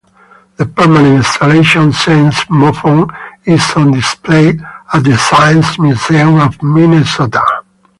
The permanent installation Seismofon is on display at the Science Museum of Minnesota.